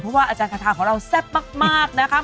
เพราะว่าอาจารย์คาทาของเราแซ่บมากนะคะ